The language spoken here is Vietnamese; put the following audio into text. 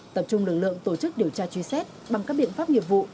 tập trung lực lượng tổ chức điều tra truy xét bằng các biện pháp nghiệp vụ